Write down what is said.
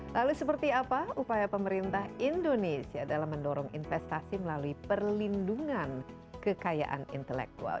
lalu seperti apa upaya pemerintah indonesia dalam mendorong investasi melalui perlindungan kekayaan intelektual